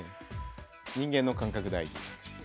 人間の感覚大事。